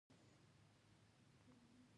زه خوشاله وم.